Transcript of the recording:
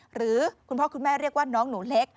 หรือคุณพ่อคุณแม่เรียกว่าน้องหนูเล็ก